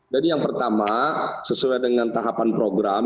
jadi yang pertama sesuai dengan tahapan program